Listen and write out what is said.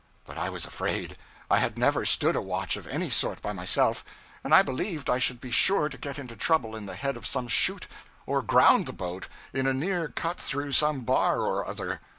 But I was afraid; I had never stood a watch of any sort by myself, and I believed I should be sure to get into trouble in the head of some chute, or ground the boat in a near cut through some bar or other.